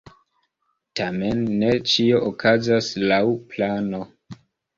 Tamen ne ĉio okazas laŭ plano.